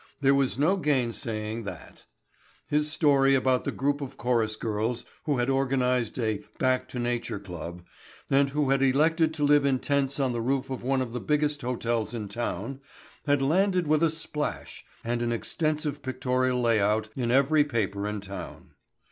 There was no gainsaying that. His story about the group of chorus girls who had organized a Back to Nature club and who had elected to live in tents on the roof of one of the biggest hotels in town had landed with a splash and an extensive pictorial lay out in every paper in town.